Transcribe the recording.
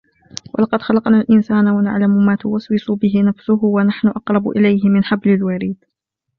وَلَقَدْ خَلَقْنَا الْإِنْسَانَ وَنَعْلَمُ مَا تُوَسْوِسُ بِهِ نَفْسُهُ وَنَحْنُ أَقْرَبُ إِلَيْهِ مِنْ حَبْلِ الْوَرِيدِ